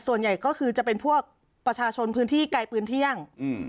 ส่วนใหญ่ก็คือจะเป็นพวกประชาชนพื้นที่ไกลปืนเที่ยง